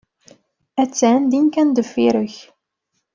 Aten-a din kan deffir-k.